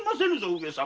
上様。